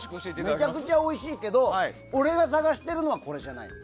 めちゃくちゃおいしいけど俺が探しているのはこれじゃない。